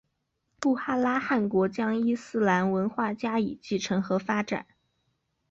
布哈拉汗国将伊斯兰文化加以继承和发展。